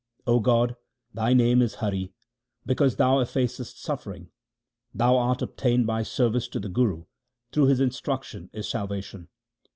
0 God, Thy name is Hari, because Thou effacest suffering. 1 Thou art obtained by service to the Guru ; through his instruction is salvation.